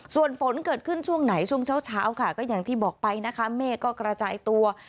ส่วนฝนเกิดขึ้นช่วงไหนช่วงเช้าค่ะก็อย่างที่บอกไปนะคะเมฆก็กระจายตัว